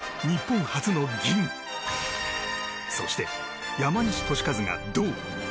池田向希が日本初の銀そして、山西利和が銅。